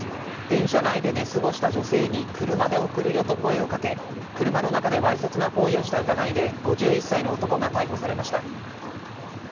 電車内で寝過ごした女性に車で送るよと声をかけ車の中でわいせつな行為をした疑いで５１歳の男が逮捕されました。